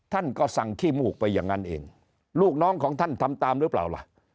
ท่านก็สั่งขี้มูกไปอย่างนั้นเองลูกน้องของท่านทำตามหรือเปล่าล่ะ